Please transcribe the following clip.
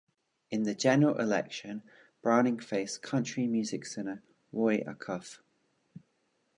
In the general election, Browning faced country music singer Roy Acuff.